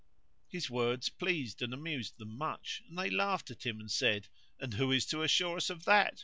His words pleased and amused them much; and they laughed at him and said, "And who is to assure us of that?